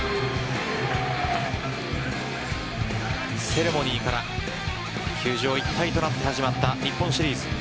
セレモニーから球場一体となって始まった日本シリーズ。